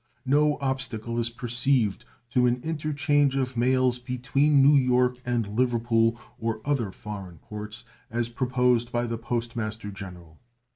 No obstacle is perceived to an interchange of mails between New York and Liverpool or other foreign ports, as proposed by the Post Master General.